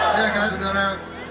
ya kan saudara